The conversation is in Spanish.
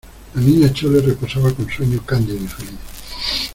la niña Chole reposaba con sueño cándido y feliz: